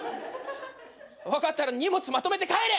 分かったら荷物まとめて帰れ！